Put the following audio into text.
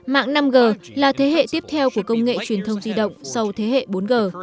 mạng năm g là thế hệ tiếp theo của công nghệ truyền thông di động sau thế hệ bốn g